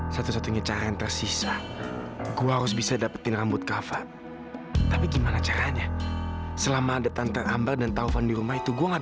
sampai jumpa di video selanjutnya